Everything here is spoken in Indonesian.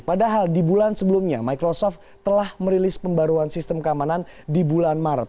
padahal di bulan sebelumnya microsoft telah merilis pembaruan sistem keamanan di bulan maret